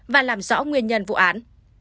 và làm rõ nguyên nhân vụ án